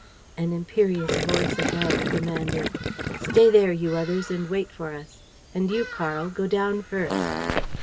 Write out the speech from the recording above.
And an imperious voice above commanded: "Stay there, you others, and wait for us. And you, Karl, go down first."